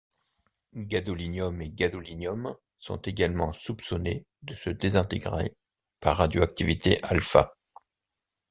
Gd et Gd sont également soupçonnés de se désintégrer par radioactivité α.